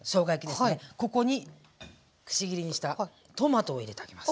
ここにくし切りにしたトマトを入れてあげます。